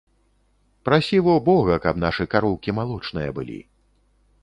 Прасі во бога, каб нашы кароўкі малочныя былі.